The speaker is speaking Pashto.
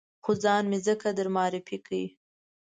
خو ځان مې ځکه در معرفي کړ.